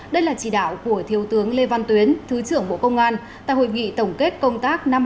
đây là chỉ đạo của thiếu tướng lê văn tuyến thứ trưởng bộ công an tại hội nghị tổng kết công tác năm hai nghìn hai mươi ba